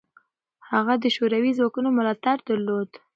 هغه د شوروي ځواکونو ملاتړ درلود.